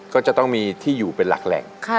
ก็จะต้องมีที่อยู่เป็นหลักแหล่ง